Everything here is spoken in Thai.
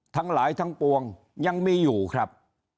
ทั้งหลายทั้งปวงยังมีอยู่ครับ